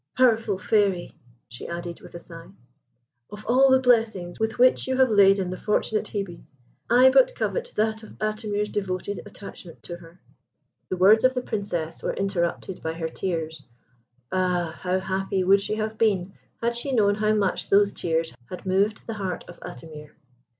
Powerful Fairy!" she added, with a sigh, "of all the blessings with which you have laden the fortunate Hebe, I but covet that of Atimir's devoted attachment to her." The words of the Princess were interrupted by her tears. Ah! how happy would she have been had she known how much those tears had moved the heart of Atimir!